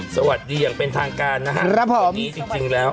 สวัสดีอย่างเป็นทางการนะฮะครับผมจริงจริงแล้ว